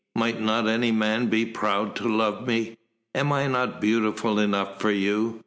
Might not any man be proud to love me? Am I not beautiful enough for you?